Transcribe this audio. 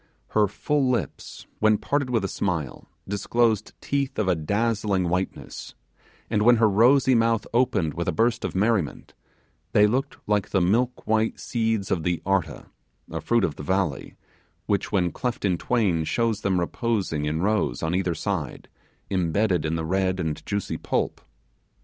Her full lips, when parted with a smile, disclosed teeth of dazzling whiteness and when her rosy mouth opened with a burst of merriment, they looked like the milk white seeds of the 'arta,' a fruit of the valley, which, when cleft in twain, shows them reposing in rows on each side, imbedded in the red and juicy pulp.